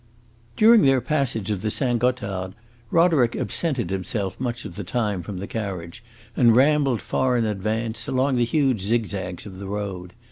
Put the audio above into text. During their passage of the Saint Gothard, Roderick absented himself much of the time from the carriage, and rambled far in advance, along the huge zigzags of the road.